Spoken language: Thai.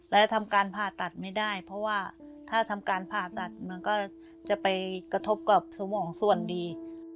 และทำการผ่าตัดไม่ได้เพราะว่าถ้าทำการผ่าตัดมันก็จะไปกระทบกับสมองส่วนดี